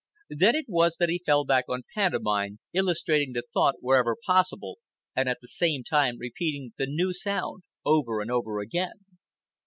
Then it was that he fell back on pantomime, illustrating the thought wherever possible and at the same time repeating the new sound over and over again.